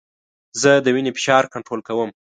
زه د وینې فشار کنټرول کوم.